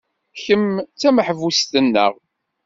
Kemm d tameḥbust-nneɣ.